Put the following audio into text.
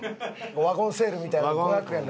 ワゴンセールみたいな５００円のやつ？